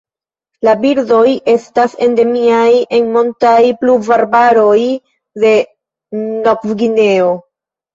La birdoj estas endemiaj en montaj pluvarbaroj de Novgvineo.